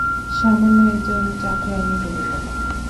সামান্য একজন চাকরানী বলে কথা।